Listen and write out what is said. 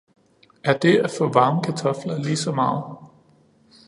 Er det at få varme kartofler lige så meget